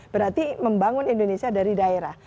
berarti membangun indonesia dari daerah